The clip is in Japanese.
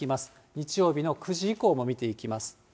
日曜日の９時以降も見ていきます。